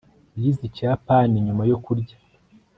yize ikiyapani nyuma yo kurya